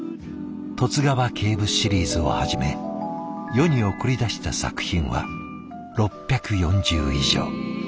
「十津川警部シリーズ」をはじめ世に送り出した作品は６４０以上。